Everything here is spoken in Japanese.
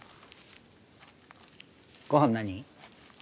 ごはん何？